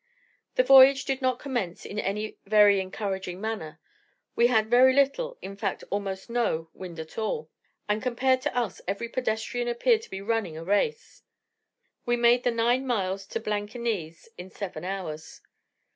The voyage did not commence in any very encouraging manner; we had very little, in fact almost no wind at all, and compared to us every pedestrian appeared to be running a race: we made the nine miles to Blankenese in seven hours.